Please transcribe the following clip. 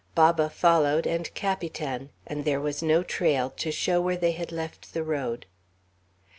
Baba followed, and Capitan; and there was no trail to show where they had left the road.